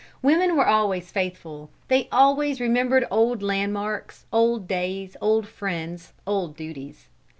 Women were always faithful; they always remembered old landmarks, old days, old friends, old duties.